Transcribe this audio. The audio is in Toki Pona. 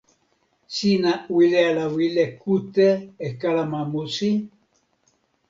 sina wile ala wile kute e kalama musi?